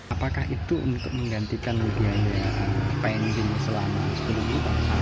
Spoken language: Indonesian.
apakah itu untuk menggantikan mudianya pendidik selama sepuluh bulan